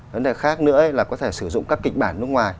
vấn đề khác nữa là có thể sử dụng các kịch bản nước ngoài